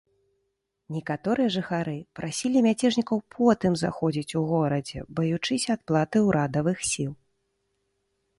Некаторыя жыхары прасілі мяцежнікаў потым заходзіць у горадзе, баючыся адплаты урадавых сіл.